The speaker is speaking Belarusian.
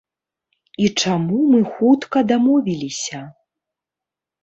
І чаму мы хутка дамовіліся?